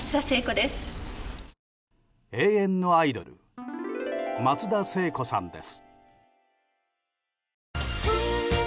永遠のアイドル松田聖子さんです。